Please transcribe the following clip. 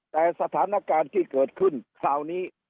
แต่สถานการณ์ที่เกิดขึ้นคราวนี้